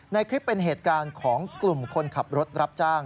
ในคลิปเป็นเหตุการณ์ของกลุ่มคนขับรถรับจ้าง